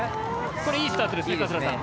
これいいスタートですね桂さん。